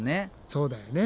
そうだよね。